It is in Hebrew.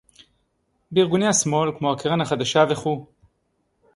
בארגוני השמאל, כמו הקרן החדשה וכו'